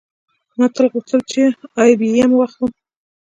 ما تل غوښتل چې آی بي ایم واخلم